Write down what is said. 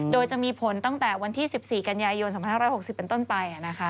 โดยจะมีผลตั้งแต่วันที่๑๔กันยายยนต์สำหรับทาง๑๖๐เป็นต้นไปนะคะ